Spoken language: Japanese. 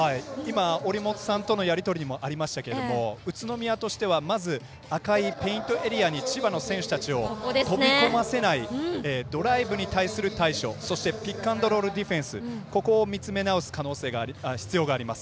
折茂さんとのやり取りにもありましたけど宇都宮としてはまず、赤いペイントエリアに千葉の選手たちを飛び込ませないドライブに対する対処、そしてピックアンドロールディフェンスここを見つめ直す必要があります。